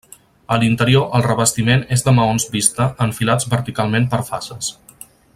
A l'interior el revestiment és de maons vista enfilats verticalment per fases.